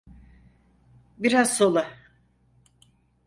Biraz sola.